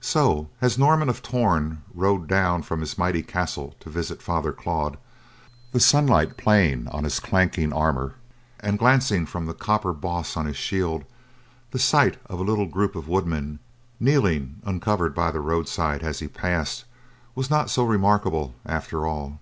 So, as Norman of Torn rode down from his mighty castle to visit Father Claude, the sunlight playing on his clanking armor and glancing from the copper boss of his shield, the sight of a little group of woodmen kneeling uncovered by the roadside as he passed was not so remarkable after all.